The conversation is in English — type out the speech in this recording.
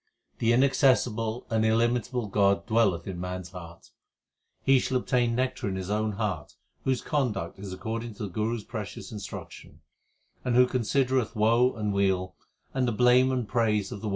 The inaccessible and illimitable God dwelleth in man s heart. He shall obtain nectar in his own heart, whose conduct is according to the Guru s precious instruction ; And who considereth woe and weal and the blame and praise of the world as the same.